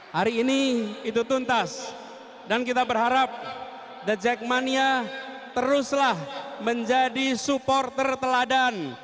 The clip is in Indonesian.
hari ini itu tuntas dan kita berharap the jackmania teruslah menjadi supporter teladan